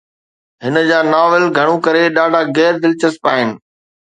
هن جا ناول، گهڻو ڪري، ڏاڍا غير دلچسپ آهن.